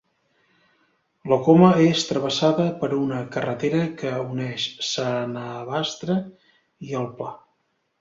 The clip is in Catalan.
La coma és travessada per una carretera que uneix Sanavastre i El Pla.